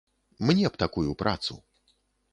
Мне б такую працу.